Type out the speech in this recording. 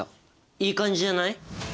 いい感じじゃない？